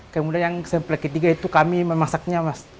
kemudian yang ketiga itu kami memasaknya mas